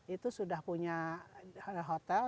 itu sudah punya hotel